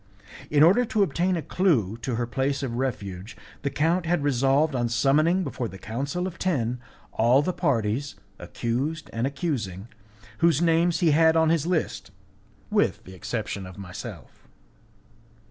In order to obtain a clue to her place of refuge, the count had resolved on summoning before the Council of Ten all the parties, accused and accusing, whose names he had on his list, with the exception of myself.